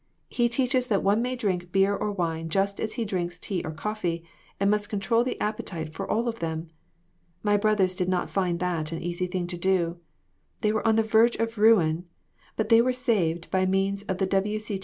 He teaches that one may drink beer or wine just as he drinks tea or coffee, and must control the appe tite for all of them. My brothers did not find that an easy thing to do. They were on the verge of ruin, but they were saved, by means of the W. C.